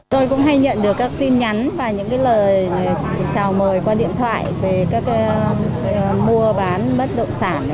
tôi cũng hay nhận được các tin nhắn và những lời chào mời qua điện thoại về các mua bán bất động sản